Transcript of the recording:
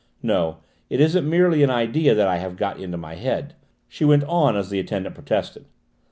No, it isn't merely an idea that I have got into my head," she went on as the attendant protested.